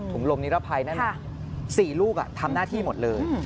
ลมนิรภัยนั่นแหละ๔ลูกทำหน้าที่หมดเลย